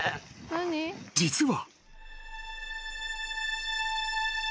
［実は］